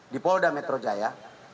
di polda metro jaya